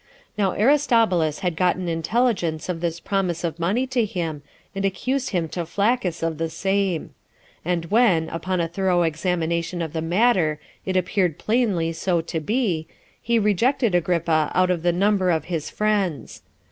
Now Aristobulus had gotten intelligence of this promise of money to him, and accused him to Flaccus of the same; and when, upon a thorough examination of the matter, it appeared plainly so to be, he rejected Agrippa out of the number of his friends.